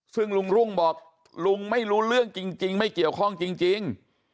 ซึ่งลุงรุ่งบอกลุงไม่รู้เรื่องจริงไม่เกี่ยวข้องจริง